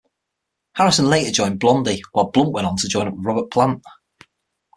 Harrison later joined Blondie, whilst Blunt went on to join up with Robert Plant.